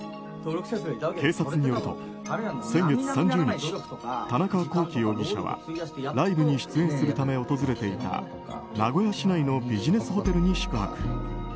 警察によると、先月３０日田中聖容疑者はライブに出演するため訪れていた名古屋市内のビジネスホテルに宿泊。